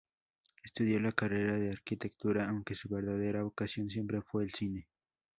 Estudió la carrera de arquitectura, aunque su verdadera vocación siempre fue el cine.